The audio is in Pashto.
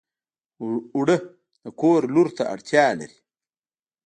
اوړه د کور لور ته اړتیا لري